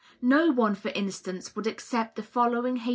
No one for instance would accept the following H.